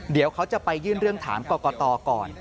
เดี๋ยวเขาจะไปยื่นเรื่องถามกรกตก่อน